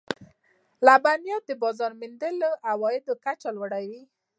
د لبنیاتو بازار موندنه د عوایدو کچه لوړوي.